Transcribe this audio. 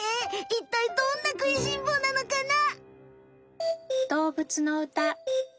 いったいどんな食いしん坊なのかな？